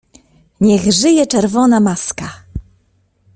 Niech żyje Czerwona Maska!